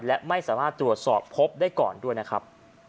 และไม่สามารถตรวจสอบพบได้ก่อนด้วยนะครับ